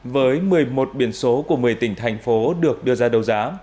với một mươi một biển số của một mươi tỉnh thành phố được đưa ra đấu giá